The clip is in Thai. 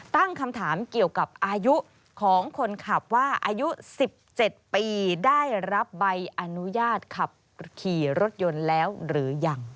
ตั้งคำถามเกี่ยวกับอายุของคนขับว่าอายุ๑๗ปีได้รับใบอนุญาตขับขี่รถยนต์แล้วหรือยัง